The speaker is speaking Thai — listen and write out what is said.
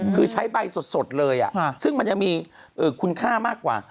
คือใช้ใบสดเลยซึ่งมันยังมีคุณค่ามากกว่า